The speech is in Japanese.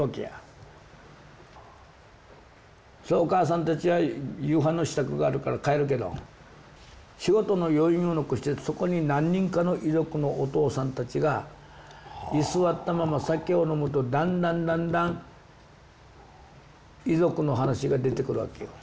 おかあさんたちは夕飯の支度があるから帰るけど仕事の余韻を残してそこに何人かの遺族のおとうさんたちが居座ったまま酒を飲むとだんだんだんだん遺族の話が出てくるわけよ。